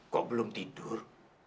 kok belum tidur